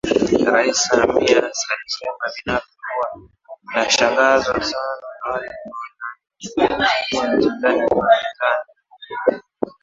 Rais Samia alisemaBinafsi huwa nashangazwa sana wale wanaodhani Kenya na Tanzania ni wapinzani